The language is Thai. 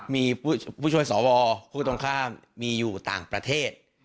มีผู้ช่วยสวผู้ตรงข้ามมีอยู่ต่างประเทศ